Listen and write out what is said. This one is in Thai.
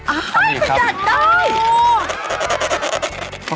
อ้าวไปจัดได้